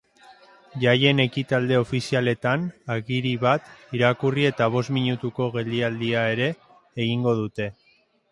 Jaien ekitaldi ofizialetan agiri bat irakurri eta bost minutuko geldialdia ere egingo dute.